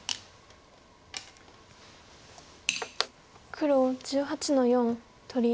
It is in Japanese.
黒１８の四取り。